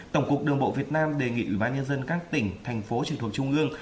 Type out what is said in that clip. tổng cục đường bộ việt nam đề nghị ủy ban nhân dân các tỉnh thành phố trực thuộc trung ương